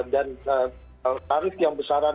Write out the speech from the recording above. dan tarif yang besaran